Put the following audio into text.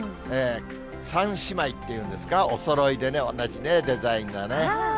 ３姉妹っていうんですか、おそろいでね、同じね、デザインがね。